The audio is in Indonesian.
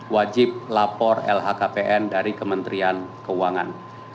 wajib lapor lhkpn dari kementerian keuangan